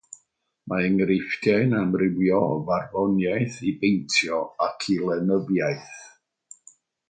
Mae enghreifftiau'n amrywio o farddoniaeth i beintio ac i lenyddiaeth.